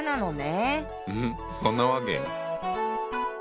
うんそんなわけ！